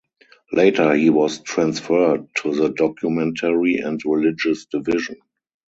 Later he was transferred to the documentary and religious division.